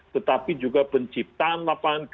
tetapi juga penciptaan lapangan kerja